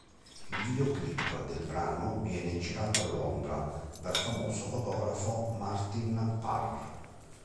Il videoclip del brano viene girato a Londra dal famoso fotografo Martin Parr.